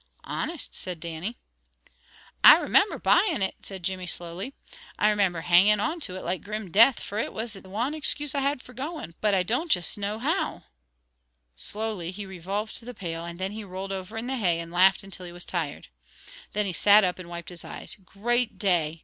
"Honest!" said Dannie. "I remember buyin' it," said Jimmy slowly. "I remember hanging on to it like grim death, for it was the wan excuse I had for goin', but I don't just know how !" Slowly he revolved the pail, and then he rolled over in the hay and laughed until he was tired. Then he sat up and wiped his eyes. "Great day!